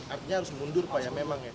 artinya harus mundur pak ya memang ya